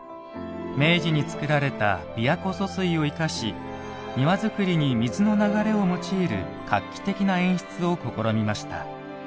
明治に造られた琵琶湖疎水を生かし庭造りに水の流れを用いる画期的な演出を試みました。